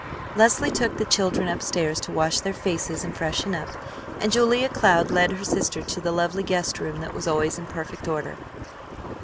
Leslie took the children up stairs to wash their faces and freshen up, and Julia Cloud led her sister to the lovely guest room that was always in perfect order.